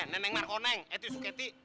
eh neneng neneng itu suketi